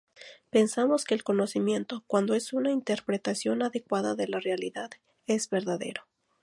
Pensamos que el conocimiento, cuando es una interpretación adecuada de la realidad, es verdadero.